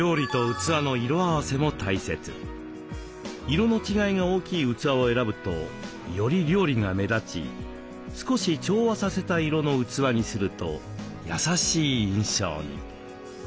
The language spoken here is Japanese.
色の違いが大きい器を選ぶとより料理が目立ち少し調和させた色の器にすると優しい印象に。